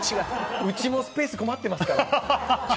うちもスペース困ってますから。